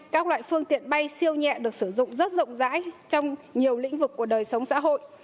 các loại phương tiện bay siêu nhẹ được sử dụng rất rộng rãi trong nhiều lĩnh vực của đời sống xã hội